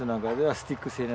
スティック何？